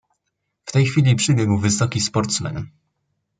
"W tej chwili przybiegł wysoki sportsmen."